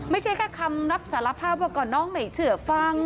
ไม่ใช่แค่คำรับสารภาพว่าก่อนน้องไม่เชื่อฟัง